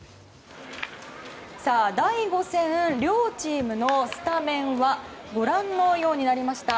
第５戦、両チームのスタメンはご覧のようになりました。